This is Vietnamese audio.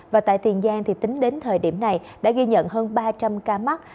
và tại tiền giang thì tính đến thời điểm này đã ghi nhận hơn ba trăm linh ca mắc